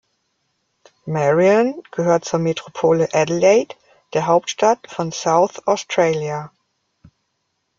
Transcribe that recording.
Marion gehört zur Metropole Adelaide, der Hauptstadt von South Australia.